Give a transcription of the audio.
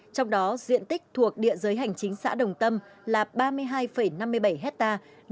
trong đó diện tích thuộc địa giới hành chính xã đồng tâm là ba mươi hai năm mươi bảy hectare